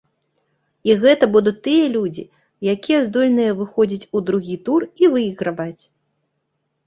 І гэта будуць тыя людзі, якія здольныя выходзіць у другі тур і выйграваць.